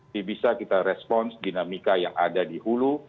kita bisa respon dinamika yang ada di hulu